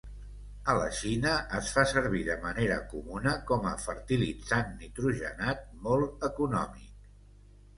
A la Xina es fa servir de manera comuna com a fertilitzant nitrogenat molt econòmic.